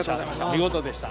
見事でした。